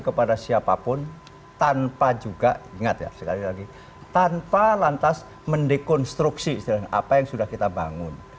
kepada siapapun tanpa juga ingat ya sekali lagi tanpa lantas mendekonstruksi apa yang sudah kita bangun